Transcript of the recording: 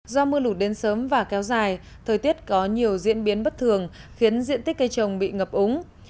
do mưa lụt đến sớm và kéo dài thời tiết có nhiều diễn biến bất thường khiến diện tích cây trồng bị ngập úng